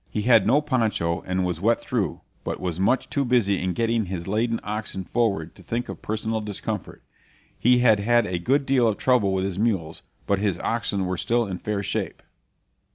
He had no poncho, and was wet through, but was much too busy in getting his laden oxen forward to think of personal discomfort. He had had a good deal of trouble with his mules, but his oxen were still in fair shape.